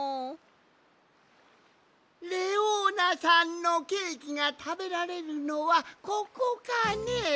レオーナさんのケーキがたべられるのはここかね？